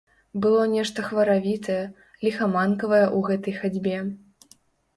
Было нешта хваравітае, ліхаманкавае ў гэтай хадзьбе.